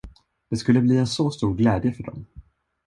Det skulle bli en så stor glädje för dem.